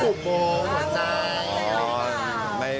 ขุมโบหัวใจ